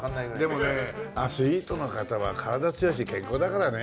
でもねアスリートの方は体強いし健康だからね。